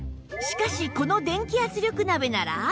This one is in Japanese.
しかしこの電気圧力鍋なら